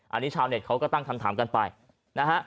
อันนี้ชาวเน็ตเขาก็ตั้งคำถามกันไปนะฮะ